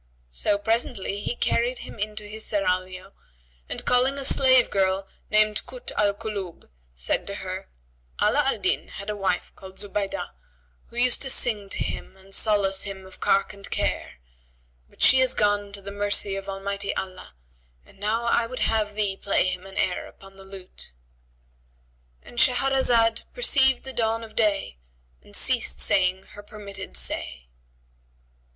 So presently he carried him into his serraglio and calling a slave girl named Kъt al Kulъb, said to her, "Ala al Din had a wife called Zubaydah, who used to sing to him and solace him of cark and care; but she is gone to the mercy of Almighty Allah, and now I would have thee play him an air upon the lute,"—And Shahrazad perceived the dawn of day and ceased saying her permitted say.